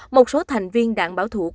một số thành viên đảng bảo thủ của johnson